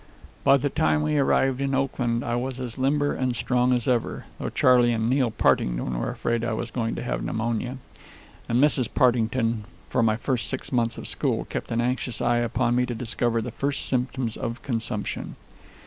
By the time we arrived in Oakland I was as limber and strong as ever, though Charley and Neil Partington were afraid I was going to have pneumonia, and Mrs. Partington, for my first six months of school, kept an anxious eye upon me to discover the first symptoms of consumption.